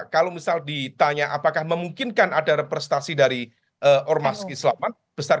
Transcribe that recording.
kalau misal ditanya apakah memungkinkan ada representasi dari ormaski selamat besar